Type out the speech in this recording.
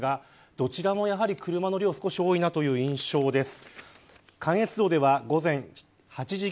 どちらもやはり車の量が少し多いという印象です。